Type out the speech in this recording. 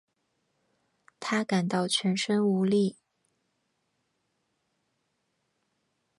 她感到全身无力